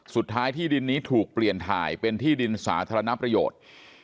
ที่ดินนี้ถูกเปลี่ยนถ่ายเป็นที่ดินสาธารณประโยชน์